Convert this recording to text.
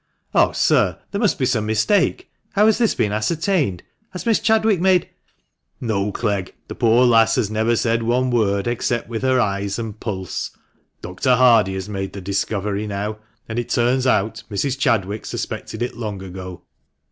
" Oh, sir, there must be some mistake ! How has this been ascertained ? Has Miss Chadwick made "" No, Clegg, the poor lass has never said one word, except with her eyes and pulse. Dr. Hardie has made the discovery now, and it turns out Mrs. Chadwick suspected it long ago."